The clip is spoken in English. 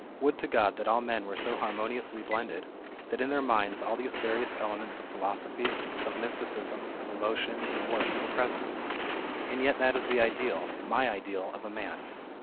Would to God that all men were so harmoniously blended that in their minds all these various elements of philosophy, of mysticism, of emotion and work were present ; and yet that is the ideal, my ideal, of a man.